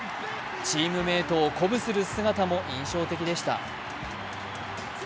チームメイトを鼓舞する姿も印象的でした。